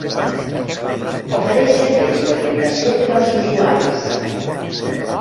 Ofereix servei d'orientació per als usuaris.